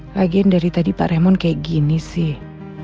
lagian dari tadi pak raymond kayak gini sih